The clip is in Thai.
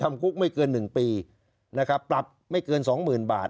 คุกไม่เกิน๑ปีนะครับปรับไม่เกินสองหมื่นบาท